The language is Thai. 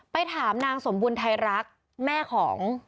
ไปถามนางสมบูรณ์ไทรักษ์แม่ของ